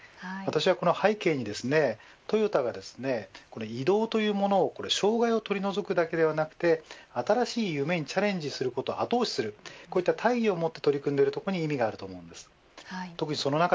私は、この背景にトヨタが移動というものを障害を取り除くだけではなくて新しい夢にチャレンジすることを後押しするこういた大義を持って取り組んでいることに意味があると思います。